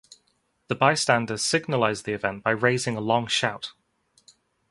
The bystanders signalize the event by raising a long shout.